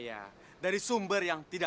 ada apa ini pak